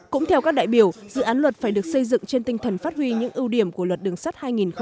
cũng theo các đại biểu dự án luật phải được xây dựng trên tinh thần phát huy những ưu điểm của luật đường sắt hai nghìn năm